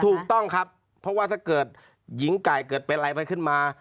ถูกต้องครับเพราะว่าถ้าเกิดหญิงไก่เกิดเป็นอะไรไปขึ้นมา